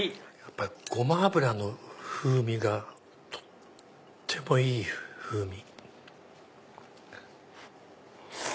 ごま油の風味がとってもいい風味。